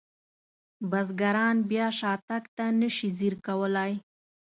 بزګران بیا شاتګ ته نشي ځیر کولی.